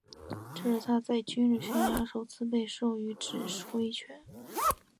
这是他在军旅生涯中首次被授予指挥权。